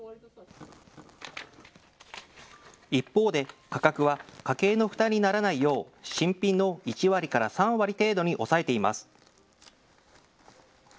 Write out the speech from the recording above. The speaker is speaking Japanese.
一方で価格は家計の負担にならないよう新品の１割から３割程度に抑えています。